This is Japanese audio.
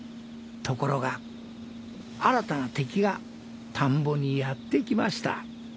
ところが新たな敵が田んぼにやって来ました。